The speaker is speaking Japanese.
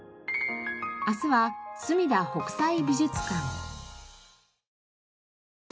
明日はすみだ北斎美術館。